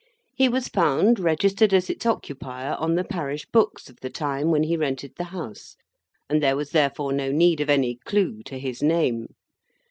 He was found registered as its occupier, on the parish books of the time when he rented the House, and there was therefore no need of any clue to his name.